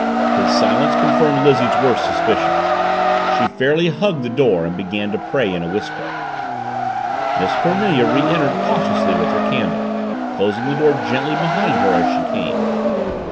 His silence confirmed Lizzie's worst suspicions. She fairly hugged the floor and began to pray in a whisper. Miss Cornelia re entered cautiously with her candle, closing the door gently behind her as she came.